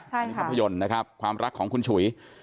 ใช่ค่ะภาพยนตร์นะฮะความรักของคุณฉุย